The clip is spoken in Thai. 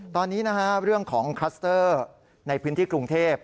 ตอนนี้นะฮะเรื่องของคลัสเตอร์ในพื้นที่กรุงเทพ